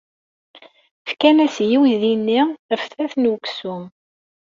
Fkan-as i uydi-nni aftat n uksum.